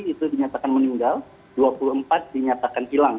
itu dinyatakan meninggal dua puluh empat dinyatakan hilang